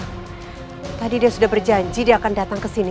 sebelumnya dia sudah berjanji akan datang ke sini